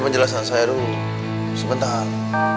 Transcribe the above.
jelasan saya dulu sebentar